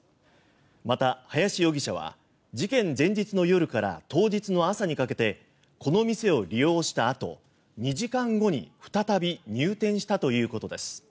また、林容疑者は事件前日の夜から当日の朝にかけてこの店を利用したあと２時間後に再び入店したということです。